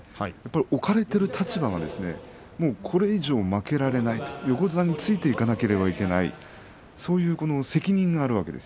置かれている立場がこれ以上負けられない、横綱についていかなければいけないそういう責任があるわけです。